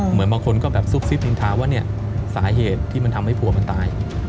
เหมือนบางคนก็แบบซุกซิบนินทาว่าเนี่ยสาเหตุที่มันทำให้ผัวมันตาย